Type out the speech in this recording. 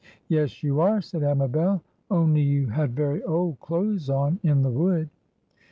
"Yes, you are," said Amabel. "Only you had very old clothes on in the wood."